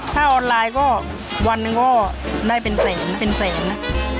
ถ้าออนไลน์ก็วันนึงก็ได้เป็นแสนนะ